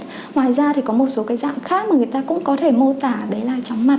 ngoài ra thì có một số cái dạng khác mà người ta cũng có thể mô tả đấy là chóng mặt